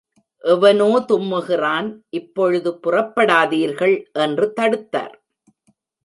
எவனோ தும்முகிறான், இப்பொழுது புறப்படாதீர்கள்! என்று தடுத்தார்.